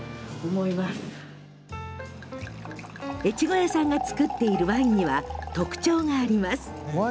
越後屋さんが造っているワインには特徴があります。